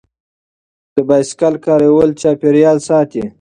د بایسکل کارول چاپیریال ساتي.